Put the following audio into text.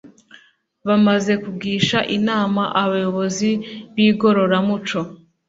bamaze kugisha inama abayobozi b’igororamuco